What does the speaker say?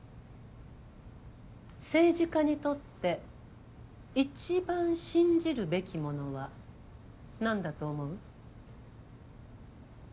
政治家にとって一番信じるべきものは何だと思う？